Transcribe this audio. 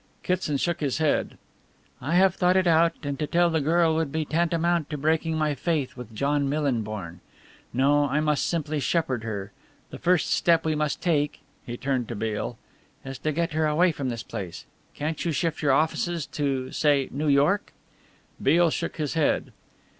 Kitson shook his head. "I have thought it out, and to tell the girl would be tantamount to breaking my faith with John Millinborn. No, I must simply shepherd her. The first step we must take" he turned to Beale "is to get her away from this place. Can't you shift your offices to say New York?" Beale shook his head.